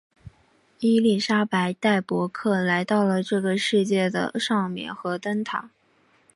伊丽莎白带伯克来到了这个世界的上面和灯塔。